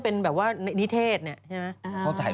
เป็นแบบว่าในนิเทศเนี่ย